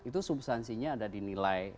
itu substansinya ada di nilai